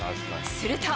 すると。